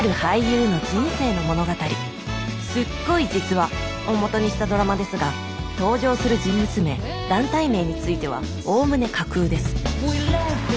すっごい実話！をもとにしたドラマですが登場する人物名団体名についてはおおむね架空です